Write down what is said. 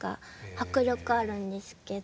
迫力あるんですけど。